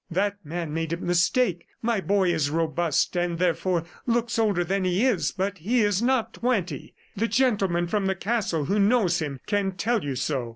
"That man made a mistake. My boy is robust and, therefore, looks older than he is, but he is not twenty. ... The gentleman from the castle who knows him can tell you so.